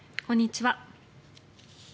こんにちは。